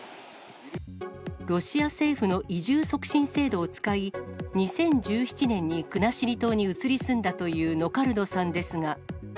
ロシア政府の移住促進制度を使い、２０１７年に国後島に移り住んだというノカルドさんですが。